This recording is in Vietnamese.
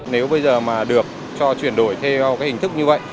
nếu bây giờ mà được cho chuyển đổi theo cái hình thức như vậy